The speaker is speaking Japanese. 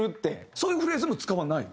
そういうフレーズも使わない？